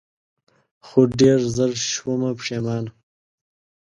خو ډېر زر شومه پښېمانه